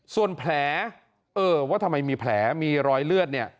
ส่วนแผลเออว่าทำไมมีแผลมีรอยเลือดเนี่ย